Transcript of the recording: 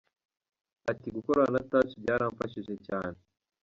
Ati “Gukorana na Touch byaramfashije cyane.